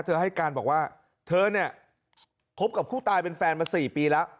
ให้การบอกว่าเธอเนี่ยคบกับผู้ตายเป็นแฟนมา๔ปีแล้ว